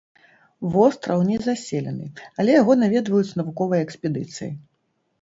Востраў незаселены, але яго наведваюць навуковыя экспедыцыі.